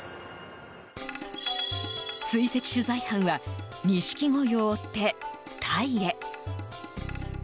追跡取材班はニシキゴイを追ってタイへ。